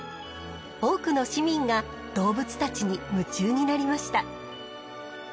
多くの市民が動物たちに夢中になりました。